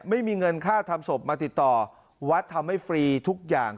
ไม่มีเงินค่าทำศพมาติดต่อวัดทำให้ฟรีทุกอย่าง